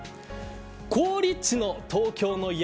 好立地の東京の家。